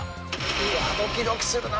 うわドキドキするな